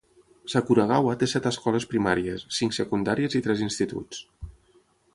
Sakuragawa té set escoles primàries, cinc secundàries i tres instituts.